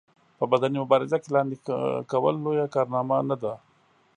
په بدني مبارزه کې لاندې کول لويه کارنامه نه ده.